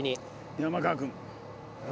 山川君。